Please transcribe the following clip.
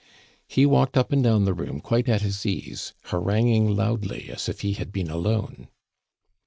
He walked up and down the room quite at his ease, haranguing loudly, as if he had been alone.